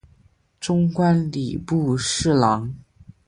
终官礼部侍郎。